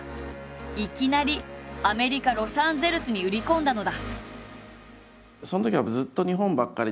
いきなりアメリカ・ロサンゼルスに売り込んだのだ。